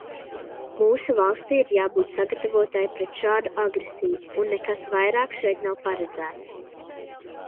Mūsu valstij ir jābūt sagatavotai pret šādu agresiju, un nekas vairāk šeit nav paredzēts.